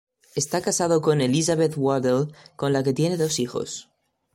Está casado con Elizabeth Waddell con la que tiene dos hijos.